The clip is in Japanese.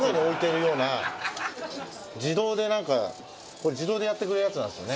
これ自動でやってくれるやつなんですよね。